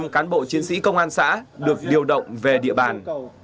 năm cán bộ chiến sĩ công an xã được điều động về địa bàn